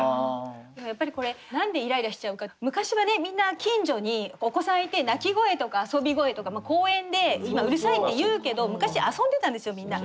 でもやっぱりこれ何でイライラしちゃうかって昔はねみんな近所にお子さんいて泣き声とか遊び声とか公園で今うるさいって言うけど昔遊んでたんですよみんな。